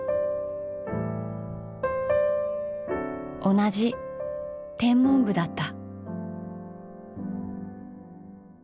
同じ天文部だった。